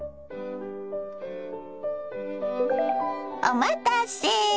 お待たせ。